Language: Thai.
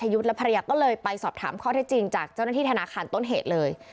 ยุทธ์และภรรยาก็เลยไปสอบถามข้อเท็จจริงจากเจ้าหน้าที่ธนาคารต้นเหตุเลย